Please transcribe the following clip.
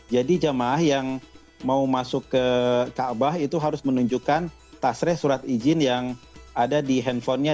jadi jamaah yang mau masuk ke kaabah itu harus menunjukkan tasreh surat izin yang ada di handphonenya